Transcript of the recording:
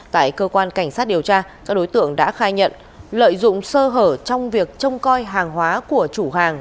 tại cơ quan cảnh sát điều tra các đối tượng đã khai nhận lợi dụng sơ hở trong việc trông coi hàng hóa của chủ hàng